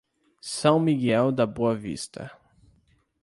São Miguel da Boa Vista